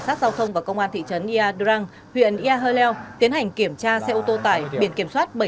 sát giao thông và công an thị trấn ea durang huyện ea hờ leo tiến hành kiểm tra xe ô tô tải biển kiểm soát